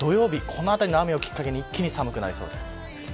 土曜日の雨をきっかけに一気に寒くなりそうです。